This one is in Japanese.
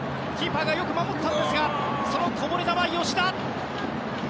キーパーがよく守ったんですがそのこぼれ球に吉田。